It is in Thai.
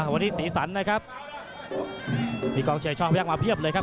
วันนี้สีสันนะครับมีกองเชียร์ช่องพยักษ์มาเพียบเลยครับ